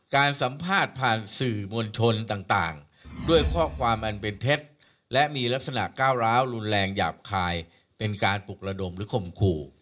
การสัมภาษณ์ผ่านสื่อมวลชนต่างด้วยข้อความอันเป็นเท็จและมีลักษณะก้าวร้าวรุนแรงหยาบคายเป็นการปลุกระดมหรือข่มขู่